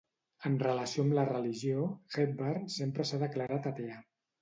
En relació amb la religió, Hepburn sempre s'ha declarat atea.